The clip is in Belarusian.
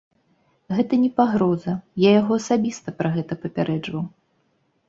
Гэта не пагроза, я яго асабіста пра гэта папярэджваў.